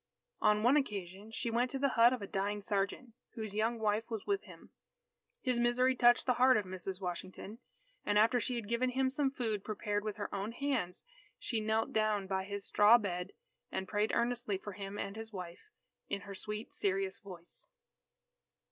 On one occasion, she went to the hut of a dying sergeant, whose young wife was with him. His misery touched the heart of Mrs. Washington, and after she had given him some food prepared with her own hands, she knelt down by his straw bed, and prayed earnestly for him and his wife, in her sweet serious voice.